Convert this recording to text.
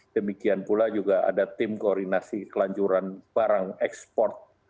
demikian pula juga ada tim koordinasi kelanjuran barang ekspor